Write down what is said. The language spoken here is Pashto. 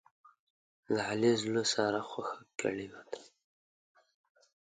د علي زړه ساره خوښه کړې ده.